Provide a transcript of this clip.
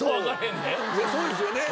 そうですよね。